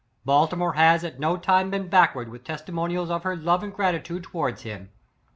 Baltimore has at no time been backward with testimonials of her love and gratitude towards him.